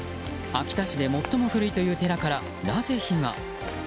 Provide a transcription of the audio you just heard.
秋田市で最も古いという寺からなぜ火が。